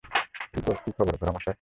কী খবর, ঘোড়ামশাই?